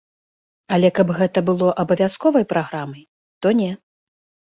Але каб гэта было абавязковай праграмай, то не.